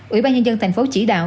ủy ban nhân dân tp hcm chỉ đạo